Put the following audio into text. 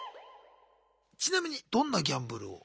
ちなみにどんなギャンブルを？